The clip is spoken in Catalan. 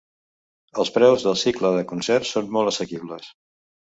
Els preus del cicle de concerts són molt assequibles.